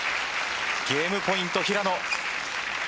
ゲームポイント、平野。